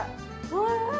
おいしい。